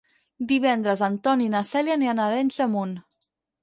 Divendres en Ton i na Cèlia aniran a Arenys de Munt.